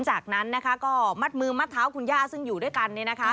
จากนั้นนะคะก็มัดมือมัดเท้าคุณย่าซึ่งอยู่ด้วยกัน